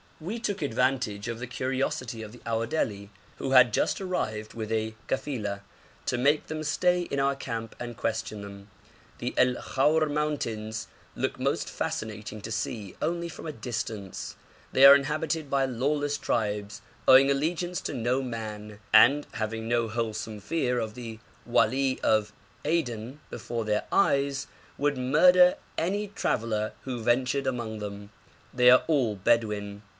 We took advantage of the curiosity of the Aòdeli, who had just arrived with a kafila, to make them stay in our camp and question them. The El Khaur mountains look most fascinating to see only from a distance: they are inhabited by lawless tribes owing allegiance to no man, and, having no wholesome fear of the Wali of Aden before their eyes, would murder any traveller who ventured among them; they are all Bedouin.